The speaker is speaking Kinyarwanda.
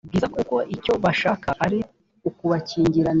bwiza kuko icyo bashaka ari ukubakingiranira